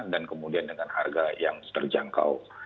dan kemudian dengan harga yang terjangkau